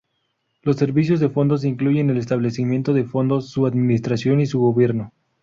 Los servicios de fondos incluyen el establecimiento de fondos, su administración y su gobierno.